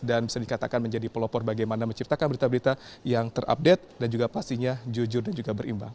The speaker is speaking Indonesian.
dan bisa dikatakan menjadi pelopor bagaimana menciptakan berita berita yang terupdate dan juga pastinya jujur dan juga berimbang